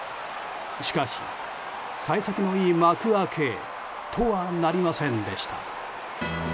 しかし、幸先のいい幕開けとはなりませんでした。